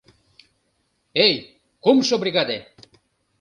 — Эй, кумшо бригаде!